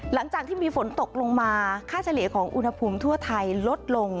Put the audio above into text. หลังจากที่มีฝนตกลงมาค่าเฉลี่ยของอุณหภูมิทั่วไทยลดลง